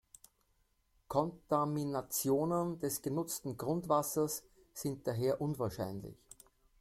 Kontaminationen des genutzten Grundwassers sind daher unwahrscheinlich.